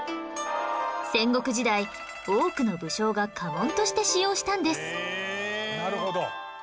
戦国時代多くの武将が家紋として使用したんです